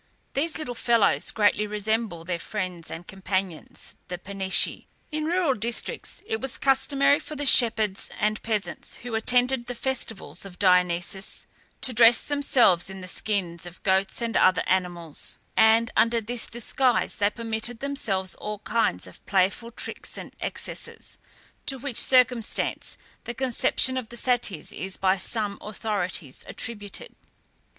These little fellows greatly resemble their friends and companions, the Panisci. In rural districts it was customary for the shepherds and peasants who attended the festivals of Dionysus, to dress themselves in the skins of goats and other animals, and, under this disguise, they permitted themselves all kinds of playful tricks and excesses, to which circumstance the conception of the Satyrs is by some authorities attributed.